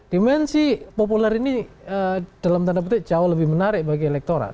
dimensi populer ini dalam tanda petik jauh lebih menarik bagi elektorat